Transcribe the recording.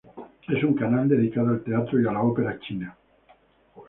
Es un canal dedicado al teatro y a la ópera china.